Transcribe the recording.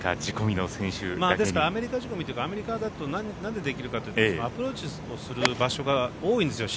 アメリカ仕込みというかアメリカだとなんでできるかというとアプローチをする場所が多いんですよ。